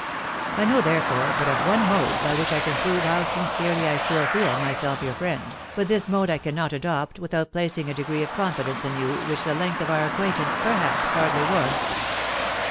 I know, therefore, but of one mode by which I can prove how sincerely I stiU. feel myself your friend, but this mode I cannot adopt without placing a degree of confidence in you which the length of our acquaintance, perhaps, hardly warrants.